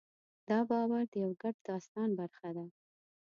دا باور د یوه ګډ داستان برخه ده.